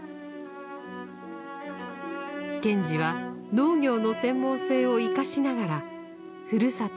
賢治は農業の専門性を生かしながらふるさと